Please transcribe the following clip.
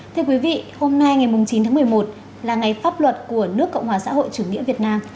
thưa quý vị hôm nay ngày chín tháng một mươi một là ngày pháp luật của nước cộng hòa xã hội chủ nghĩa việt nam